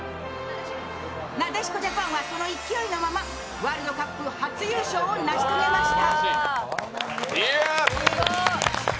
なでしこジャパンはその勢いのままワールドカップ初優勝を成し遂げました。